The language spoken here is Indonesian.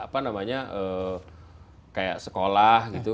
apa namanya kayak sekolah gitu